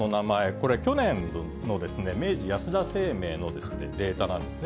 これ、去年の明治安田生命のデータなんですね。